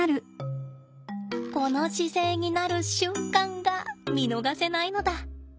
この姿勢になる瞬間が見逃せないのだ。